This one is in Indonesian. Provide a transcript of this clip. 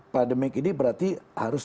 pandemi ini berarti harus